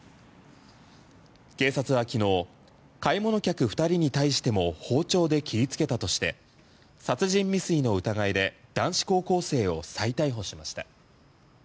警察は、きのう買い物客２人に対しても包丁で切りつけたとして殺人未遂の疑いで男子高校生を再逮捕しました。